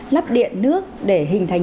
lắp điện nước để hình thành